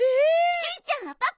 しんちゃんはパパ！